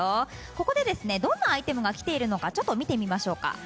ここでどんなアイテムがきているのか見てみましょうか。